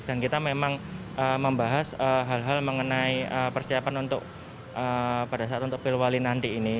dan kita memang membahas hal hal mengenai persiapan untuk pada saat untuk pilwali nanti ini